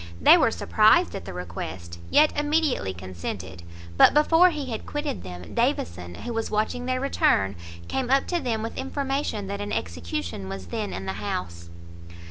They were surprised at the request, yet immediately consented; but before he had quitted them, Davison, who was watching their return, came up to them with information that an execution was then in the house.